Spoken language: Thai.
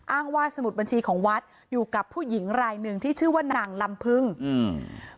อ้างว่าสมุดบัญชีของวัดอยู่กับผู้หญิงรายหนึ่งที่ชื่อว่านางลำพึงอืม